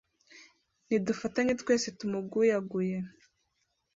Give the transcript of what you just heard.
nidufatanye twese tumuguyaguye